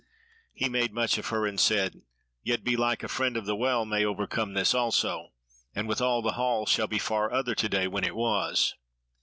He made much of her and said: "Yet belike a Friend of the Well may overcome this also; and withal the hall shall be far other to day when it was."